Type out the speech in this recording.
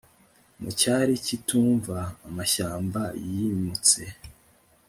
Mu cyari kitumva amashyamba yimutse